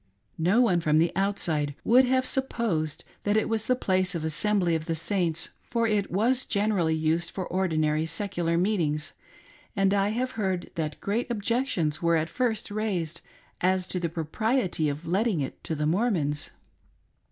No one from the outside would have supposed that it was the place of assembly of the Saints, for ifrwas generally used for ordinary secular meetings, and I have heard that great objections were at first raised as to the propriety of letting it to the Mormons.